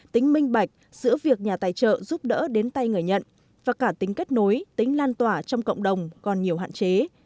tính minh bạch giữa việc nhà tài trợ giúp đỡ đến tay người nhận và cả tính kết nối tính lan tỏa trong cộng đồng còn nhiều hạn chế